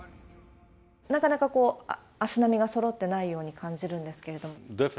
なかなか足並みがそろってないように感じるんですけれども。